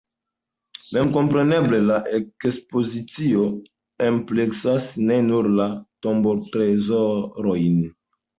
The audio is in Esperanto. Memkompreneble la ekspozicio ampleksas ne nur la tombotrezorojn.